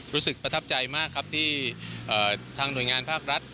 รู้สึกประทับใจมากครับที่ทางหน่วยงานภาครัฐ